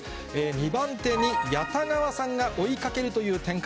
２番手に谷田川さんが追いかけるという展開。